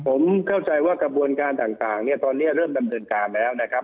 ผมเข้าใจว่ากระบวนการต่างเนี่ยตอนนี้เริ่มดำเนินการแล้วนะครับ